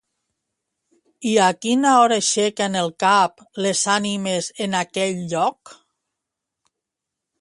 I a quina hora aixequen el cap les ànimes en aquell lloc?